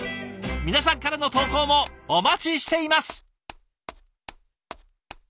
皆さんからの投稿もお待ちしています。